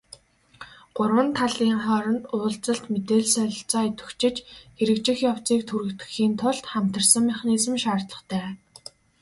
Гурван талын хооронд уулзалт, мэдээлэл солилцоо идэвхжиж, хэрэгжих явцыг түргэтгэхийн тулд хамтарсан механизм шаардлагатай.